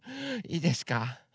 いいですか？